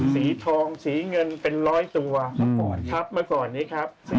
สีทองสีเงินเป็นร้อยตัวเมื่อก่อนนี้ครับ